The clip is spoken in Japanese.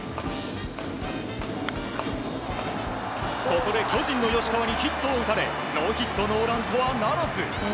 ここで巨人の吉川にヒットを打たれノーヒットノーランとはならず。